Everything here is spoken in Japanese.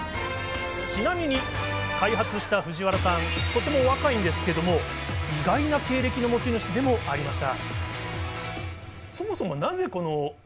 ちなみに開発した藤原さん、とても若いんですけど意外な経歴の持ち主でもありました。